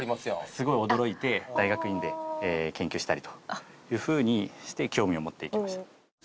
すごい驚いて大学院で研究したりという風にして興味を持っていきました。